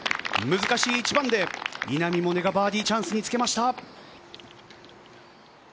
難しい一番で稲見萌寧がバーディーチャンスにつけました。